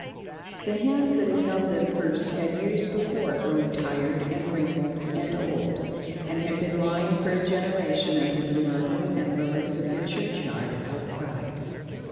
The hands that had held them first had years before grown tired and wrinkled and old, and had been lying for a generation under the myrtle and lilies of the churchyard outside.